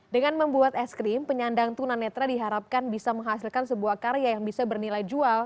dengan membuat es krim penyandang tunanetra diharapkan bisa menghasilkan sebuah karya yang bisa bernilai jual